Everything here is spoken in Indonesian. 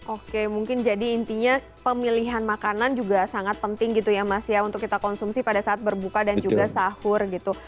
oke mungkin jadi intinya pemilihan makanan juga sangat penting gitu ya mas ya untuk kita konsumsi pada saat berbuka dan juga sahur gitu